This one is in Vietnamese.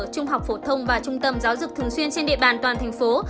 trung học phổ thông và trung tâm giáo dục thường xuyên trên địa bàn toàn thành phố